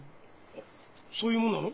あっそういうもんなの？